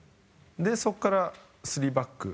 で、そこから３バック。